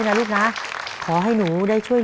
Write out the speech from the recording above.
น้องป๋องเลือกเรื่องระยะทางให้พี่เอื้อหนุนขึ้นมาต่อชีวิต